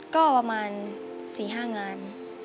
ก็ประมาณ๔๕งาน